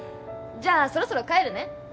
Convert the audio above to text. じゃあそろそろ帰るね。